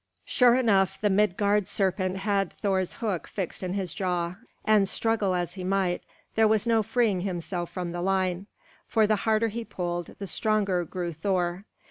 Sure enough, the Midgard serpent had Thor's hook fixed in his jaw, and struggle as he might, there was no freeing himself from the line; for the harder he pulled the stronger grew Thor.